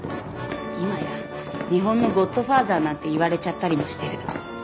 今や日本のゴッドファーザーなんて言われちゃったりもしてる。